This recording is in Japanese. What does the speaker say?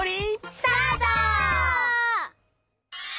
スタート！